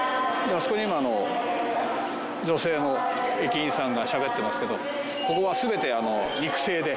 あそこに今あの女性の駅員さんがしゃべってますけどここは全て肉声で。